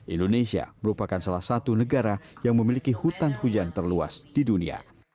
indonesia merupakan salah satu negara yang memiliki hutan hujan terluas di dunia